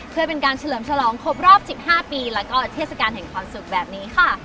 เพื่อเป็นการเฉลิมฉลองครบรอบ๑๕ปีแล้วก็เทศกาลแห่งความสุขแบบนี้ค่ะ